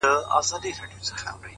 چي پرون مي د نيکونو وو- نن زما دی--!